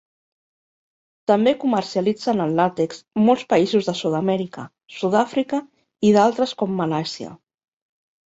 També comercialitzen el làtex molts països de Sud-amèrica, Sud-àfrica i d'altres com Malàisia.